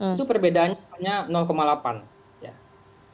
itu perbedaannya hanya delapan